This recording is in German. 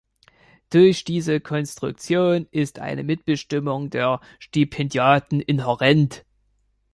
Durch diese Konstruktion ist eine Mitbestimmung der Stipendiaten inhärent.